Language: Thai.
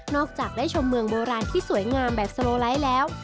จากได้ชมเมืองโบราณที่สวยงามแบบสโลไลท์แล้ว